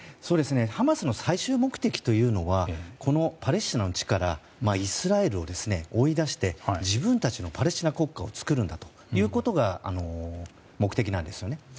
ハマスの最終目的というのはこのパレスチナの地からイスラエルを追い出して自分たちのパレスチナ国家を作るんだということが目的なんですね。